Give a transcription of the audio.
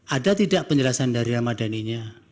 ada tidak penjelasan dari ramadhaninya